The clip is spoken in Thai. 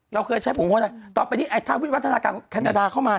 เราเคยใช้ภูมิพูดว่าต่อไปนี้ถ้าวิทยาลัยวัฒนาการแคนาดาเข้ามา